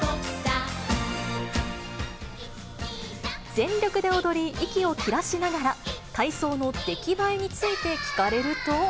全力で踊り、息を切らしながら、体操の出来栄えについて聞かれると。